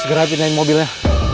segera pindahin mobilnya